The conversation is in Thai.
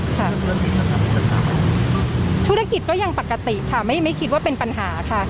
ธุรกิจก็ยังปกติค่ะไม่คิดว่าเป็นปัญหาค่ะ